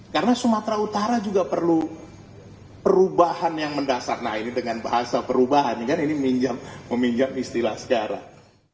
karena sumatera utara juga perlu perubahan yang mendasar nah ini dengan bahasa perubahan ini kan meminjam istilah sekarang